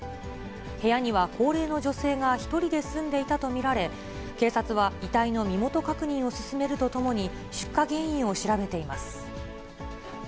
部屋には高齢の女性が１人で住んでいたと見られ、警察は遺体の身元確認を進めるとともに、出火原因を調べています。